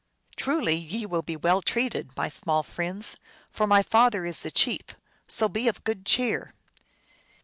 " Truly, ye will be well treated, my small friends, for my father is the chief; so be of good cheer